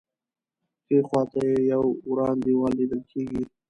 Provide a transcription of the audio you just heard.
ښی خوا ته یې یو وران دیوال لیدل کېږي.